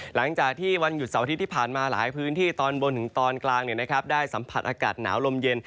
หลังจากวันหยุดเสาร์อาทิตย์ที่ผ่านมาหลายพื้นที่ตอนบนถึงตอนกลางได้สัมผัสอากาศหนาวลมเย็น